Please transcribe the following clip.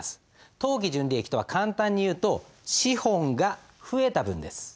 当期純利益とは簡単にいうと資本が増えた分です。